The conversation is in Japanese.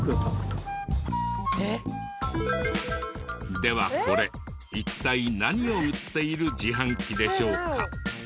ではこれ一体何を売っている自販機でしょうか？